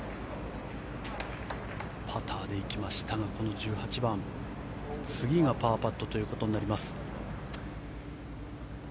パターで行きましたがこの１８番次がパーパットということになります。